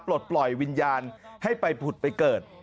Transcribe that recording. ปลดปล่อยวิญญาณให้ไปผุดไปเกิด